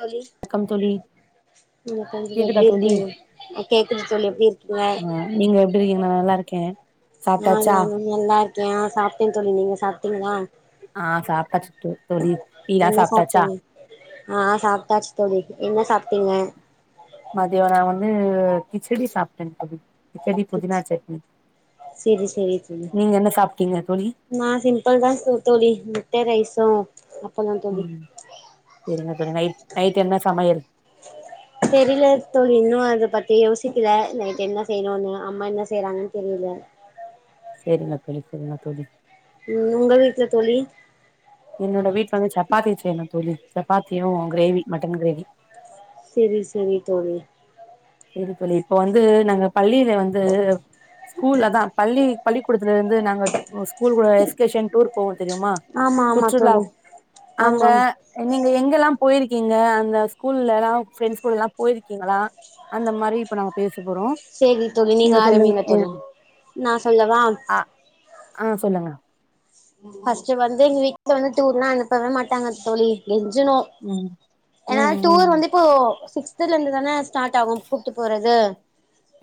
தோழி வணக்கம் தோழி உம் தோழி எப்படி கேக்குதா தோழி இருக்கீங்க கேக்குது தோழி எப்படி இருக்கீங்க ஆ நீங்க எப்டி இருக்கீங்க நா நல்லா இருக்கேன் உம் நாங்க எல்லாரும் ஆஹ் சாப்பிட்டேன்னு தோழி நீங்க சாப்டீங்களா ஆஹ் சாப்டாச்சு தோ தோழி டீ லா சாப்டாச்சா ஆஹ் சாப்ட்டாச்சு தோழி என்ன சாப்ட்டீங்க மதியம் நான் வந்து கிச்சடி சாப்பிட்டேன் தோழி கிச்சடி புதினா சட்னி செரி செரி தோழி நீங்க என்ன சாப்ட்டீங்க தோழி நா சிம்பிள் தா தோ தோழி முட்ட ரைசும் உம் பொறுங்க பொறுங்க நைட் நைட் என்ன சமையல் தெரியல தோழி இன்னும் அத பத்தி யோசிக்கல நைட்டு என்ன செய்யணும்ன்னு அம்மா என்ன செய்யறாங்கன்னு தெரியல. செரிங்க தோழி செரிங்க தோழி உம் உங்க வீட்டுல தோழி என்னோட வீட் சப்பாத்தி செய்யணும் தோழி சப்பாத்தியும் கிரேவி மட்டன் கிரேவி செரி செரி தோழி இருக் இப்ப வந்து நாங்க பள்ளி க்கே வந்து ஸ்கூல் ஆதான் பள்ளி பள்ளிக்கூடத்துலரந்து நாங்க ஸ்கூல் கூட எகேஷன் டூர் போ தெரியுமா ஆமா ஆமா சுற்றுலா தோழி அங்க ஆமாம் நீங்க எங்கெல்லாம் போயிருக்கீங்க அந்த ஸ்கூல்ல எல்லா ஃப்ண்ட்ஸ் கூட எல்லா போயிருக்கீங்களா அந்த மாரி இப்ப நாங்க பேசு செரி தோழி நீங்க ஆரம்பிங்க தோழி நான் சொல்லவா ஆ ஆ சொல்லுங்க ஃபர்ஸ்ட் வந்து வீட்டு்ல வந்து டூர்னா அனுப்பவே மாட்டாங்க தோழி கெஞ் ஞ்சணு ம் ஏன ம் ம் டூர் வந்து இப்போ சிக்ஸ்துல இருந்து தானே ஸ்டார்ட் ஆகும் கூப்பிட்டு போறது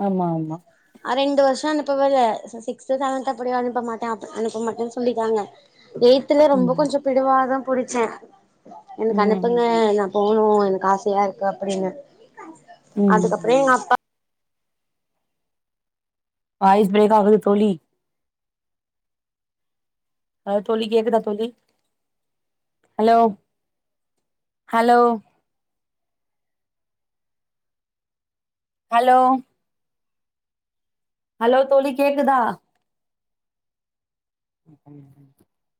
ஆமா ஆமா ஆ ரெண்டு வருஷம் அனுப்பவே இல்ல சிக்ஸ்த்து செவன்த்து அப்படிய அனுப்ப மாட்டேன் அனுப்ப மாட்டேன்னு சொல் புளிகாங்கா ஏய்த்துல ம் ரொம்ப கொஞ்சோ பிடிவாதும் புடிச்சேன் எனக்கு ம் அனுப்புங்க ம் நான் போனும் க்கு ஆசையா இருக்கு அப்படின்னு ம் அதுக்கப்புறோ ம் எங்க அப்பா வாய்ஸ் பிரேக் ஆகுது தோழி ஹ தோழி கேக்குத தோழி ஹலோ ஹலோ ஹலோ ஹலோ தோழி கேக்குதா [inaudible]